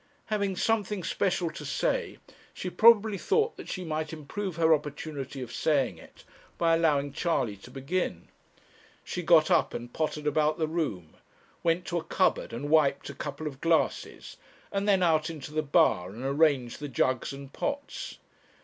Having something special to say, she probably thought that she might improve her opportunity of saying it by allowing Charley to begin. She got up and pottered about the room, went to a cupboard, and wiped a couple of glasses, and then out into the bar and arranged the jugs and pots.